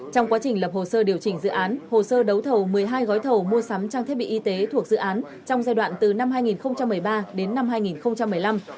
trong quá trình lập hồ sơ điều chỉnh dự án hồ sơ đấu thầu một mươi hai gói thầu mua sắm trang thiết bị y tế thuộc dự án trong giai đoạn từ năm hai nghìn một mươi ba đến năm hai nghìn một mươi năm